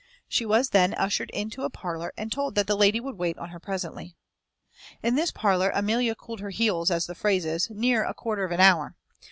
She was then ushered into a parlour and told that the lady would wait on her presently. In this parlour Amelia cooled her heels, as the phrase is, near a quarter of an hour.